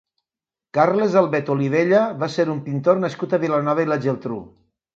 Carles Albet Olivella va ser un pintor nascut a Vilanova i la Geltrú.